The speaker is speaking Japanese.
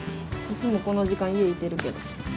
いつもこの時間家いてるけど。